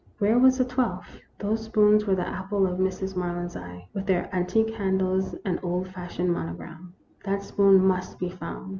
Where was the twelfth ? Those spoons were the apple of Mrs. Maryland's eye, with their antique handles and old fashioned monogram. That spoon must be found.